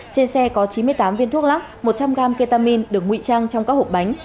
trên xe có chín mươi tám viên thuốc lắc một trăm linh g ketamine được nguy trang trong các hộp bánh